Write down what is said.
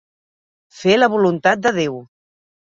Fer la voluntat de Déu.